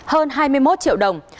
hơn hai mươi một triệu đồng